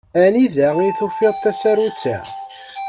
Anida i tufiḍ tasarut-a?